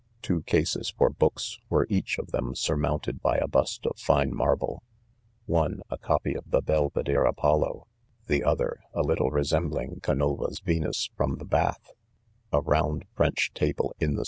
■ Two cases for hooks were each of them surmounted by a Jrast of fine marble, one ; a copy of the Beividere Apollo, the other a little resembling Camera's Yenus from the bath,' ' A, lound^'Erench tables in 'the